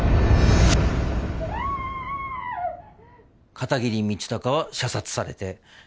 片桐道隆は射殺されて。